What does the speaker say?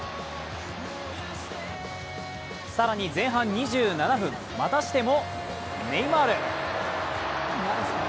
更に前半２７分、またしてもネイマール。